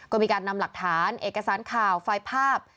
ก็มีการนำหลักฐานเอกสารข่าวไฟล์ภาพ